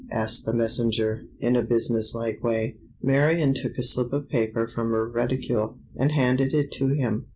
asked the messenger, in a business like way. Marion took a slip of paper from her reticule, and handed it to him.